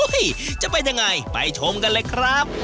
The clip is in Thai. จะเป็นยังไงไปชมกันเลยครับ